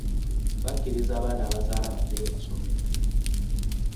Bakiriza abaana abazaala baddeyo basome.